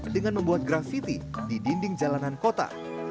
dengan membuat grafiti di dinding jalanan kota